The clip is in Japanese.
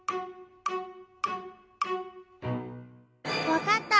わかった！